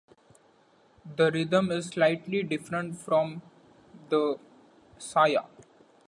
The rhythm is slightly different from the 'Saya'.